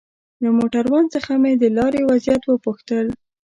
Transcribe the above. له موټروان څخه مې د لارې وضعيت وپوښتل.